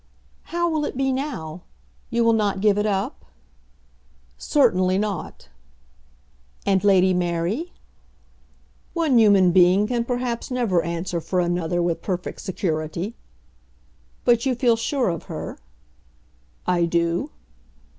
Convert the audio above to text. "How will it be now? You will not give it up?" "Certainly not." "And Lady Mary?" "One human being can perhaps never answer for another with perfect security." "But you feel sure of her?" "I do."